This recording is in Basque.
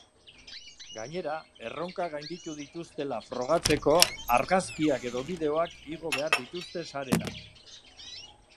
Gainera, erronkak gainditu dituztela frogatzeko argazkiak edo bideoak igo behar dituzte sarera.